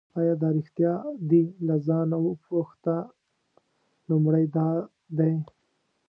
آیا دا ریښتیا دي له ځانه وپوښته لومړی دا دی.